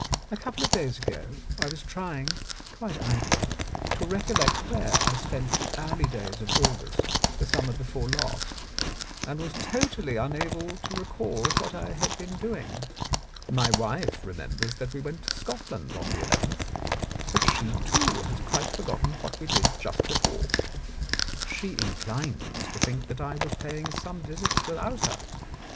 "A couple of days ago I was trying — quite idly — to recollect where I spent the early days of August the summer before last, and was totally unable to recall what I had been doing. My wife remembers that we went to Scotland on the nth, but she, too, has quite forgotten what we did just before. She inclines to think that I was paying some visits without her.